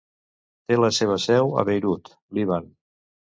Té la seva seu a Beirut, Líban.